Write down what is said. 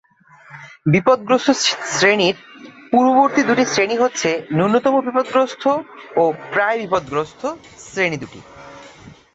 বিপদগ্রস্ত শ্রেণীর পূর্ববর্তী দুইটি শ্রেণী হচ্ছে ন্যূনতম বিপদগ্রস্ত ও প্রায়-বিপদগ্রস্ত শ্রেণী দুইটি।